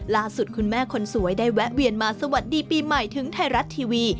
คุณแม่คนสวยได้แวะเวียนมาสวัสดีปีใหม่ถึงไทยรัฐทีวี